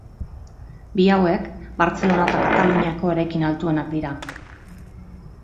Bi hauek Bartzelona eta Kataluniako eraikin altuenak dira.